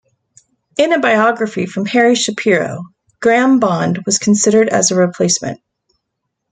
In a biography from Harry Shapiro, Graham Bond was considered as a replacement.